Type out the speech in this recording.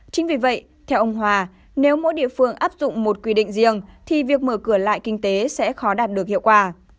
chính vì vậy theo ông hòa nếu mỗi địa phương áp dụng một quy định riêng thì việc mở cửa lại kinh tế sẽ khó đạt được hiệu quả